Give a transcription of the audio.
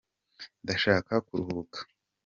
Ndashaka ku ruhuka.